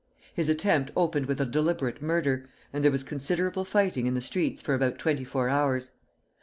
His attempt opened with a deliberate murder, and there was considerable fighting in the streets for about twenty four hours.